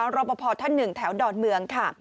รอปภท่านหนึ่งแถวดอนเมืองค่ะ